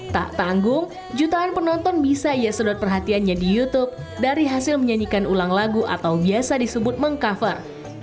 tak tanggung jutaan penonton bisa ia sedot perhatiannya di youtube dari hasil menyanyikan ulang lagu atau biasa disebut meng cover